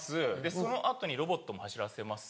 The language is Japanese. その後にロボットも走らせます。